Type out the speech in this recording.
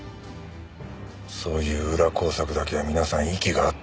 そういう裏工作だけは皆さん息が合ってる。